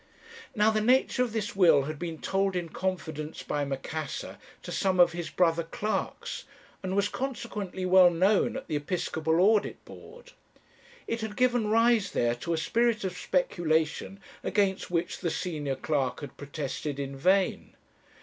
"Now the nature of this will had been told in confidence by Macassar to some of his brother clerks, and was consequently well known at the Episcopal Audit Board. It had given rise there to a spirit of speculation against which the senior clerk had protested in vain.